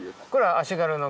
足軽の。